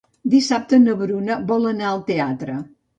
Dissabte na Bruna vol anar al teatre.